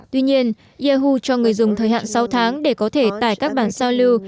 tuy nhiên yahoo cho người dùng thời hạn sáu tháng để có thể tải các bản giao lưu